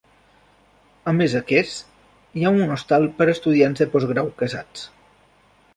A més d'aquests, hi ha un hostal per a estudiants de postgrau casats.